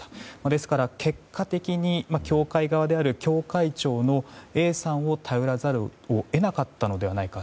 ですから、結果的に教会側である教会長のＡさんを頼らざるを得なかったのではないか。